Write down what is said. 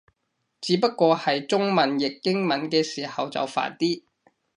只不過係中文譯英文嘅時候就煩啲